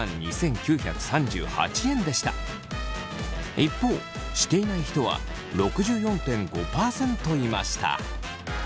一方していない人は６４．５％いました。